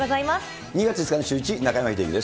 ２月５日のシューイチ、中山秀征です。